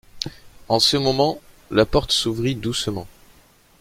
En ce moment la porte s'ouvrit doucement.